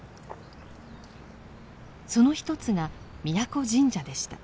その一つが宮古神社でした。